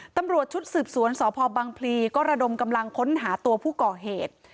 ตำรวจชุดสืบสวนสพบังพลีก็ระดมกำลังค้นหาตัวผู้ก่อเหตุ